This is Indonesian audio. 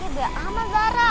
ya biar apa zara